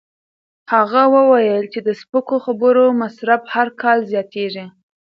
هغه وویل چې د سپکو خوړو مصرف هر کال زیاتېږي.